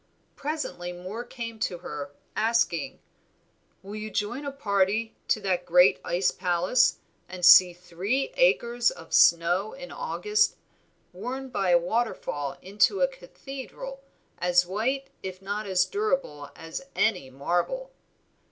Presently Moor came to her asking "Will you join a party to the great ice palace, and see three acres of snow in August, worn by a waterfall into a cathedral, as white if not as durable as any marble?"